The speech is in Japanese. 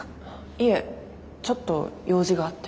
いえちょっと用事があって。